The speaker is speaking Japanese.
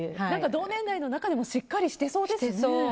同年代の中でもしっかりしてそうですよね。